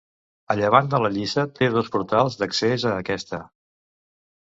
A llevant de la lliça té dos portals d'accés a aquesta.